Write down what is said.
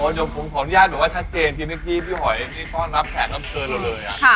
โอ้โหโยมภูมิของญาติเหมือนว่าชัดเจนที่เมื่อกี้พี่หอยนี่ก็รับแขกรับเชิญเราเลยอ่ะ